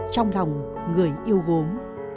trong lòng người yêu gốm